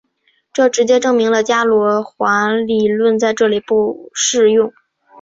这直接证明了伽罗华理论在这里不适用。